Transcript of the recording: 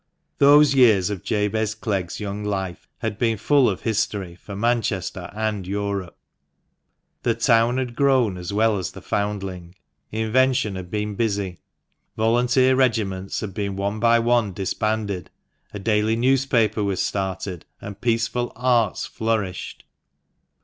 Those years of Jabez Clegg's young life had been full of history for Manchester and Europe. The town had grown as well as the foundling. Invention had been busy. Volunteer regiments had been one by one disbanded, a daily newspaper was started, and peaceful arts flourished.